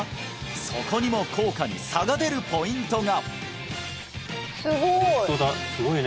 そこにも効果に差が出るポイントが！